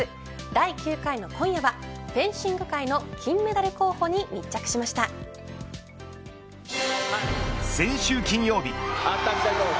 第９回の今夜はフェンシング界の金メダル候補に先週金曜日。